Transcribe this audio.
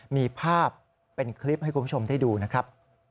มีภาพเป็นคลิปให้คุณผู้ชมได้ดูนะครับ